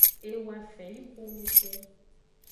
E woafen yi xonuxu.